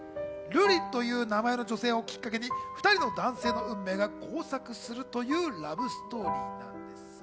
瑠璃という名前の女性をきっかけに２人の男性の運命が交錯するというラブストーリーなんです。